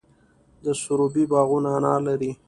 د سروبي باغونه انار لري.